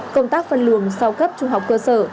công tác phân luồng sau cấp trung học cơ sở